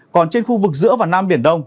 còn trên khu vực giữa và nam biển đông